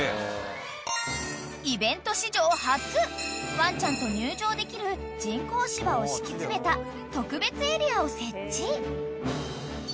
［ワンちゃんと入場できる人工芝を敷き詰めた特別エリアを設置］